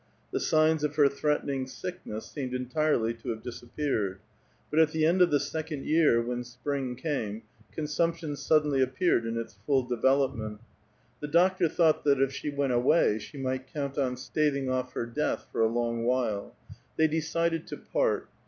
The signs of her threatening sickness seemed entirely to liave disappeared ; but at the end of the second year, when spring came, consumption suddenly appeared in its full development. The doctor thought that if she went awa}^ she might count on staving off her death for a long while. They decided to part.